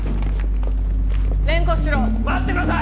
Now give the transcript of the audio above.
連行しろ待ってください